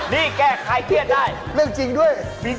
นี่แก้ไขเครียดได้เรื่องจริงด้วย